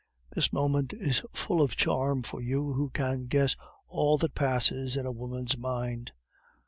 This moment is full of charm for one who can guess all that passes in a woman's mind.